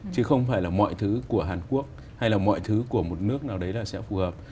chứ không phải là mọi thứ của hàn quốc hay là mọi thứ của một nước nào đấy là sẽ phù hợp